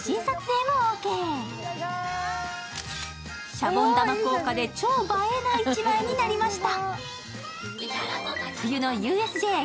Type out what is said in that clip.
シャボン玉効果で超映えな１枚になりました。